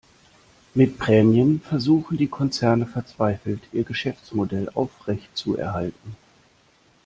Mit Prämien versuchen die Konzerne verzweifelt, ihr Geschäftsmodell aufrechtzuerhalten.